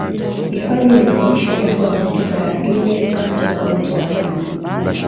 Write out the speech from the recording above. Hifadhi inajumuisha uwepo wa Mto Tarangire Kanda za Uoto wa asili